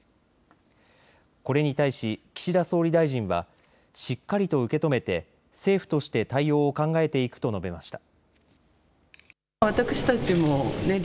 これに対し岸田総理大臣はしっかりと受け止めて政府として対応を考えていくと述べました。